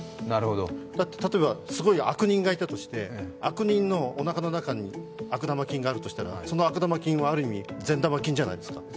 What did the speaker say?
例えばすごい悪人がいたとして悪人のおなかの中に悪玉菌があるとしたらその悪玉菌は、ある意味、善玉菌じゃないですか。